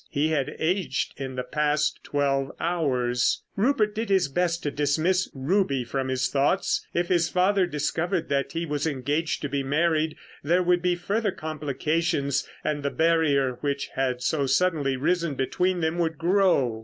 He had aged in the past twelve hours. Rupert did his best to dismiss Ruby from his thoughts. If his father discovered that he was engaged to be married there would be further complications, and the barrier which had so suddenly risen between them would grow.